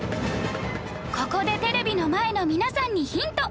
ここでテレビの前の皆さんにヒント